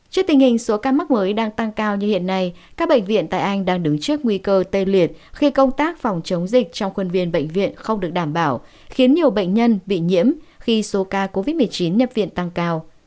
trước tình hình số ca mắc mới đang tăng cao như hiện nay các bệnh viện tại anh đang đứng trước nguy cơ tê liệt khi công tác phòng chống dịch trong khuôn viên bệnh viện không được đảm bảo khiến nhiều bệnh nhân bị nhiễm khi số ca covid một mươi chín nhập viện tăng cao